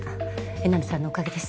江波さんのおかげです。